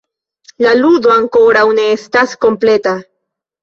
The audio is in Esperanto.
La ludo ankoraŭ ne estas kompleta: